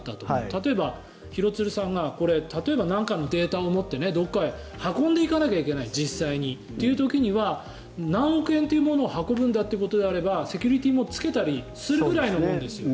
例えば、廣津留さんがなんかのデータをもってどこかへ運んでいかなきゃいけない実際にという時に何億円というものを運ぶというのであればセキュリティーもつけたりするものですよ。